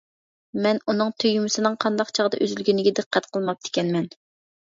مەن ئۇنىڭ تۈگمىسىنىڭ قانداق چاغدا ئۈزۈلگىنىگە دىققەت قىلماپتىكەنمەن.